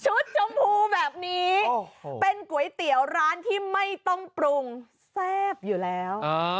ชมพูแบบนี้เป็นก๋วยเตี๋ยวร้านที่ไม่ต้องปรุงแซ่บอยู่แล้ว